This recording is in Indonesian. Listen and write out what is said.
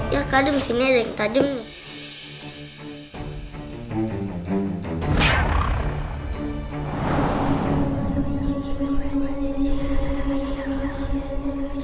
ya kadang sini ada yang tajam nih